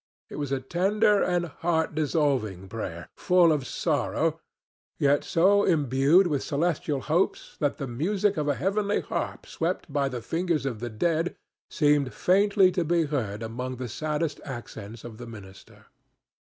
It was a tender and heart dissolving prayer, full of sorrow, yet so imbued with celestial hopes that the music of a heavenly harp swept by the fingers of the dead seemed faintly to be heard among the saddest accents of the minister.